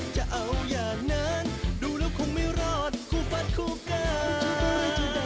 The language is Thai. จะเอาอย่างนั้นดูแล้วคงไม่รอดคู่ฟัดคู่กัน